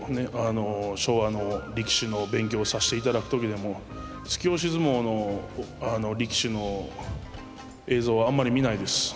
昭和の力士の勉強をさせて頂く時でも突き押し相撲の力士の映像はあんまり見ないです。